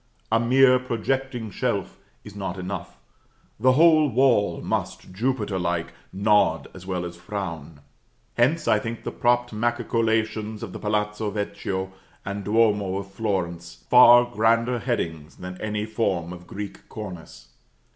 A mere projecting shelf is not enough, the whole wall must, Jupiter like, nod as well as frown. Hence, I think the propped machicolations of the Palazzo Vecchio and Duomo of Florence far grander headings than any form of Greek cornice.